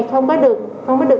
không có được bắt nạt em nha